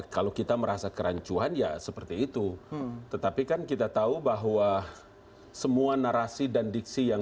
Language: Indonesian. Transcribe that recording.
kalau kita merasa kerancuan ya seperti itu tetapi kan kita tahu bahwa semua narasi dan diksi yang